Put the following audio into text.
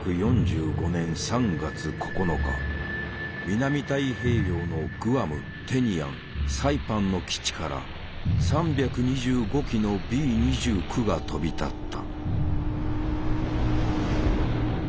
南太平洋のグアムテニアンサイパンの基地から３２５機のＢ２９が飛び立った。